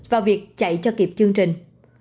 vào việc chạy cho kịp chương trình